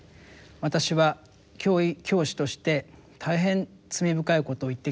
私は教師として大変罪深いことを言ってきたって。